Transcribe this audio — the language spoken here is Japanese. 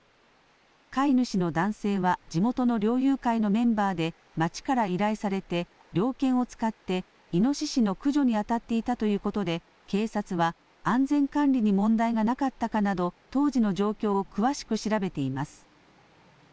飼い主の男性は地元の猟友会のメンバーで、町から依頼されて、猟犬を使って、イノシシの駆除に当たっていたということで、警察は安全管理に問題がなかったかなど、当時の状況を詳しく調べています。